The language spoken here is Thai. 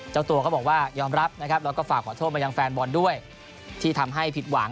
เจ้าตัวก็บอกว่ายอมรับนะครับแล้วก็ฝากขอโทษมายังแฟนบอลด้วยที่ทำให้ผิดหวัง